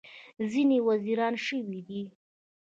ځینې یې وزیران شوي دي.